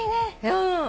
うん。